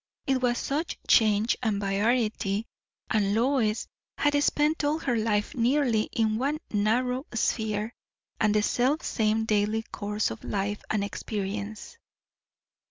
It was such change and variety! and Lois had spent all her life nearly in one narrow sphere and the self same daily course of life and experience.